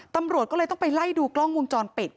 ตำรวจก็เลยต้องไปไล่ดูกล้องวงจรปิด